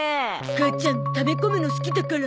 母ちゃんため込むの好きだから。